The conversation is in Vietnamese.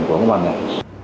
của cơ quan này